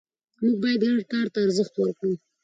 موږ باید ګډ کار ته ارزښت ورکړو